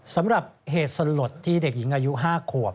สำหรับเหตุสลดที่เด็กหญิงอายุ๕ขวบ